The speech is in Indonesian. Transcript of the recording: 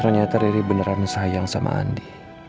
ternyata riri beneran sayang sama andi